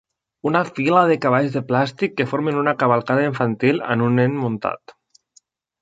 Una fila de cavalls de plàstic que formen una cavalcada infantil amb un nen muntat.